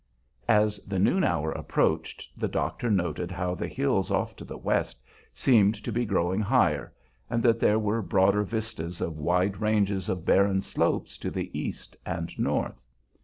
As the noon hour approached, the doctor noted how the hills off to the west seemed to be growing higher, and that there were broader vistas of wide ranges of barren slopes to the east and north.